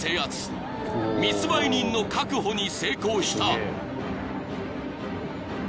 ［密売人の確保に成功した］